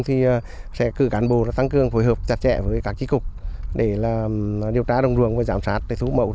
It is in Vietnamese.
chúng tôi sẽ cử cản bộ tăng cường phối hợp chặt chẽ với các trí cục để điều tra đồng ruộng và giảm sát để thu hút mẫu